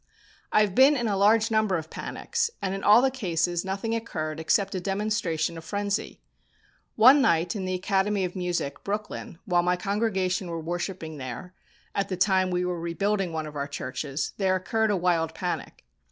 I have been in a large number of panics, and in all the cases nothing occurred except a demonstration of frenzy. One night in the Academy of Music, Brooklyn, while my congregation were worshipping there, at the time we were rebuilding one of our churches, there occurred a wild panic.